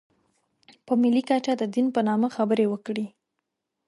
په ملي کچه د دین په نامه خبرې وکړي.